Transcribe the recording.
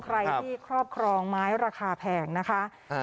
ใครที่ครอบครองไม้ราคาแพงนะคะ